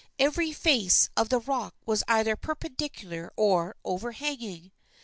Every face of the rock was either perpendicular or overhanging.